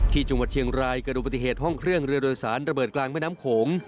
ที่จังหวัดเชียงรายเกิดดูปฏิเหตุห้องเครื่องเรือโดยสารระเบิดกลางแม่น้ำโขง